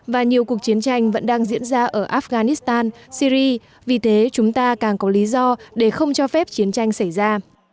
và nhiều cuộc chiến tranh vẫn đang diễn ra ở afghanistan syri vì thế chúng ta càng có lý do để không cho phép chiến tranh xảy ra